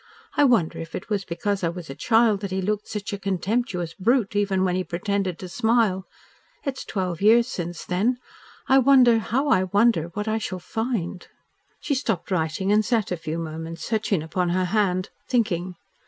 I wonder if it was because I was a child, that he looked such a contemptuous brute, even when he pretended to smile. It is twelve years since then. I wonder how I wonder, what I shall find." She stopped writing and sat a few moments, her chin upon her hand, thinking.